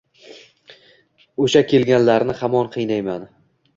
Oʻsha kelganlarni hamon qiynayman